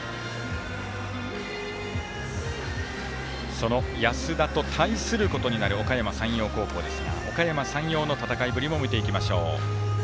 その安田と対することになるおかやま山陽高校ですがおかやま山陽の戦いぶりも見ていきましょう。